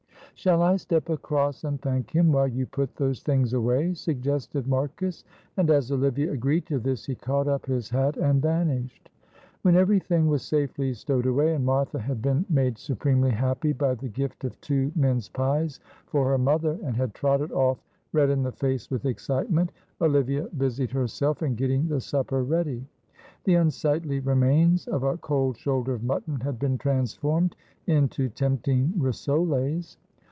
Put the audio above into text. "Shall I step across and thank him, while you put those things away?" suggested Marcus. And as Olivia agreed to this, he caught up his hat and vanished. When everything was safely stowed away, and Martha had been made supremely happy by the gift of two mince pies for her mother, and had trotted off red in the face with excitement, Olivia busied herself in getting the supper ready. The unsightly remains of a cold shoulder of mutton had been transformed into tempting rissoles.